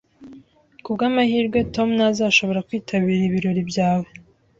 Kubwamahirwe, Tom ntazashobora kwitabira ibirori byawe